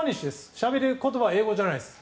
しゃべり言葉は英語じゃないです。